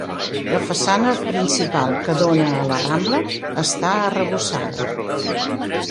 La façana principal que dóna a la Rambla està arrebossada.